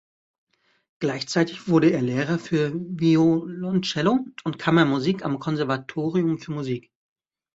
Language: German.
Gleichzeitig wurde er Lehrer für Violoncello und Kammermusik am Konservatorium für Musik.